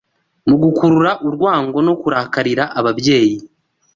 mu gukurura urwango no kurakarira ababyeyi